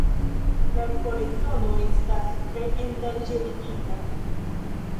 La ekoregiono estas tre endanĝerigita.